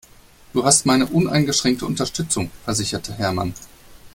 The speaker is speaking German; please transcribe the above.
Du hast meine uneingeschränkte Unterstützung, versicherte Hermann.